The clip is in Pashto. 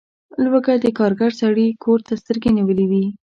لوږه د کارګر سړي کور ته سترګې نیولي وي.